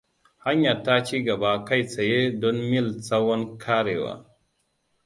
Hanyar ta ci gaba kai tsaye don mil tsawon ƙarewa.